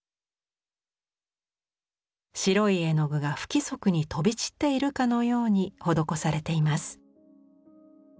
白い絵の具が不規則に飛び散っているかのように施されています。